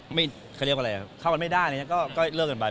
ไม่เกี่ยวกันบ้างครับจริงก็ทุกอย่างที่เราบอกนะครับ